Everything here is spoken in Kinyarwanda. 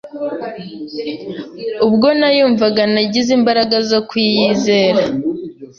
ubwo nayumvaga, nagize imbaraga zo kwiyizera